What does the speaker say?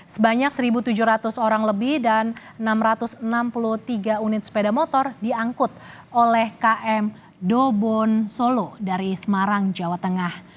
sebanyak satu tujuh ratus orang lebih dan enam ratus enam puluh tiga unit sepeda motor diangkut oleh km dobon solo dari semarang jawa tengah